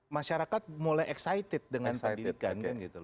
masyarakat mulai excited dengan pendidikan